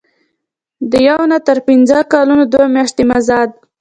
د یو نه تر پنځه کلونو دوه میاشتې مزد.